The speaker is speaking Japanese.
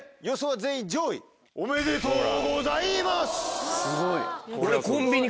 すごい。